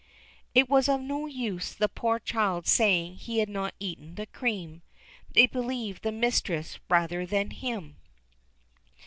It was of no use the poor child saying he had not eaten the cream; they believed the mistress rather than him.